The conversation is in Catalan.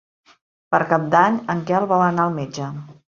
Per Cap d'Any en Quel vol anar al metge.